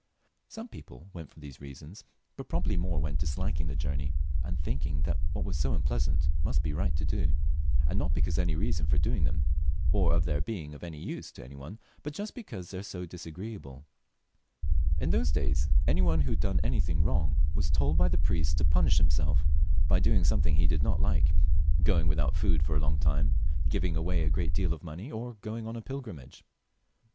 Some people went for these reasons, but probably more went disliking the journey and thinking that what was so unpleasant must be right to do. Many people have an idea that it is right to do unpleasant things, not because of any reason for doing them, or of their being of any use to any one, but just because they are disagreeable. In those days any one who had done anything wrong was told by the priests to punish himseK by doing something he did not like — going without food for a long time, giving away a great deal of money, or going on a pilgrimage.